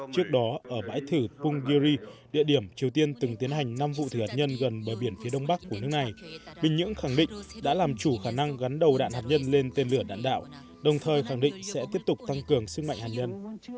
trước đó ở bãi thử pungyri địa điểm triều tiên từng tiến hành năm vụ thử hạt nhân gần bờ biển phía đông bắc của nước này bình nhưỡng khẳng định đã làm chủ khả năng gắn đầu đạn hạt nhân lên tên lửa đạn đạo đồng thời khẳng định sẽ tiếp tục tăng cường sức mạnh hạt nhân